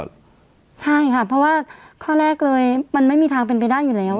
ใช่ค่ะเพราะว่าข้อแรกเลยมันไม่มีทางเป็นไปได้อยู่แล้ว